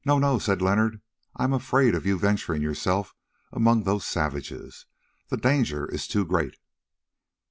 "No, no!" said Leonard. "I am afraid of your venturing yourself among those savages. The danger is too great."